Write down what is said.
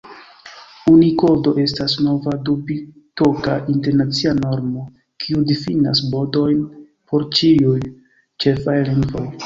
Unikodo estas nova, du-bitoka internacia normo, kiu difinas kodojn por ĉiuj ĉefaj lingvoj.